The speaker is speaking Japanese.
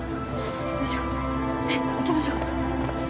よいしょ行きましょう。